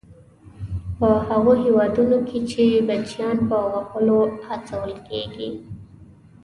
په هغو هېوادونو کې چې بچیان په وهلو هڅول کیږي.